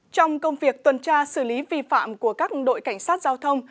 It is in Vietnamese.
trong công việc tuần tra xử lý vi phạm của các đội cảnh sát giao thông